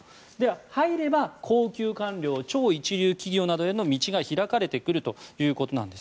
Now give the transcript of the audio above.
入れば高級官僚、超一流企業への道が開かれてくるということなんです。